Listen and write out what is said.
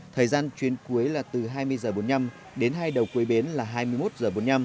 thời gian chuyến cuối là từ hai mươi h bốn mươi năm đến hai đầu cuối bến là hai mươi một h bốn mươi năm